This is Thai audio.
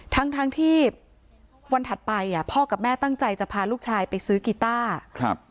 ทั้งที่วันถัดไปพ่อกับแม่ตั้งใจจะพาลูกชายไปซื้อกีตาร์